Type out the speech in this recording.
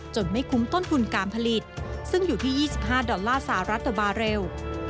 ไม่คุ้มต้นทุนการผลิตซึ่งอยู่ที่๒๕ดอลลาร์สหรัฐบาเรล